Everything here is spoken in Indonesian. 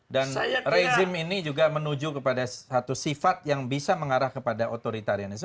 rezim ini juga menuju kepada satu sifat yang bisa mengarah kepada otoritarianisme